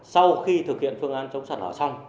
sau khi thực hiện phương án chống sạt lở xong